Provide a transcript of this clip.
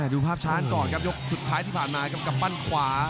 ดูภาพช้ากันก่อนครับยกสุดท้ายที่ผ่านมาครับกำปั้นขวา